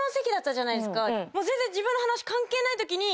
全然自分の話関係ないときに。